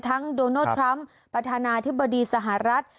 โดนัลดทรัมป์ประธานาธิบดีสหรัฐ